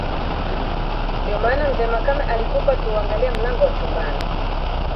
Ndiyo maana mzee Makame alikufa akiuangalia mlango wa chumbani